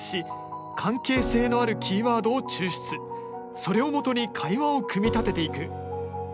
それをもとに会話を組み立てていく。